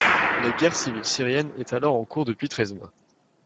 La guerre civile syrienne est alors en cours depuis treize mois.